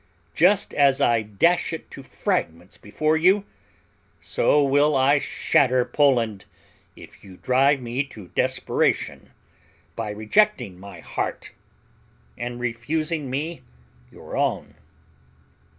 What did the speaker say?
Just as I dash it to fragments before you, so will I shatter Poland if you drive me to desperation by rejecting my heart and refusing me your own."